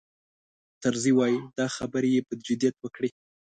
طرزي وایي دا خبرې یې په جدیت وکړې.